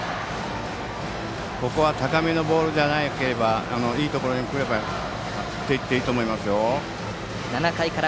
ここは高めのボールじゃなければいいところに来れば振っていっていいと思います。